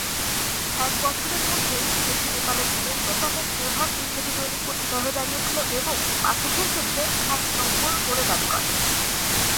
এক বছরের মধ্যেই এটি নেপালের অন্যতম প্রধান ইংরেজি দৈনিক পত্রিকা হয়ে দাঁড়িয়েছিল এবং পাঠকের ক্ষেত্রে এক নম্বর বলে দাবি করে।